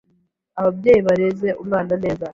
Ababyeyi bareze umwana neza.